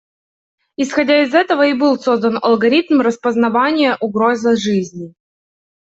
Исходя из этого и был создан алгоритм распознавания угрозы жизни.